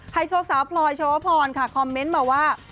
ไฮโซสาวพลอยโชวพรค่ะคอมเมนต์มาว่า